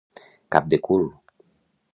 Cap de cul.